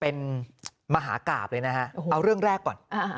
เป็นมหากาบเลยนะฮะโอ้โหเอาเรื่องแรกก่อนอ่า